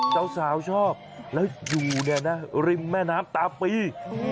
เจ้าสาวชอบแล้วอยู่เนี่ยนะริมแม่น้ำตาปี